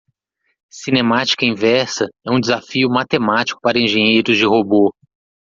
Cinemática inversa é um desafio matemático para engenheiros de robô.